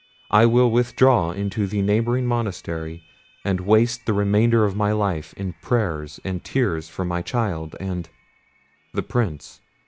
I will withdraw into the neighbouring monastery, and waste the remainder of life in prayers and tears for my child and—the Prince!"